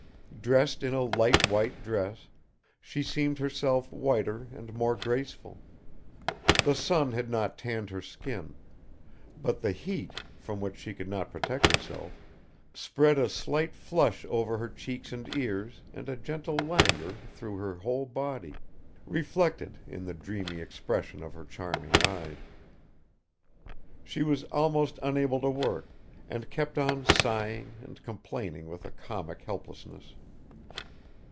Dressed in a light white dress, she seemed herself whiter and more graceful; the sun had not tanned her skin; but the heat, from which she could not protect herself, spread a slight flush over her cheeks and ears and a gentle languor through her whole body, reflected in the dreamy expression of her charming eyes. She was almost unable to work and kept on sighing and complaining with a comic helplessness.